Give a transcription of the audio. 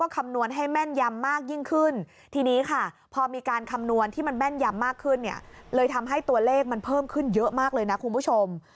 คุณผู้ชม